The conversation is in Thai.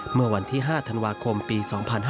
เมื่อวันที่๕ธันวาคมปี๒๕๕๙